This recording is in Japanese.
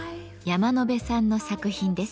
山野辺さんの作品です。